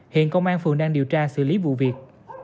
hiện công an phường đang điều tra xử lý vụ việc